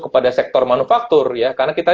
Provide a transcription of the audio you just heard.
kepada sektor manufaktur ya karena kita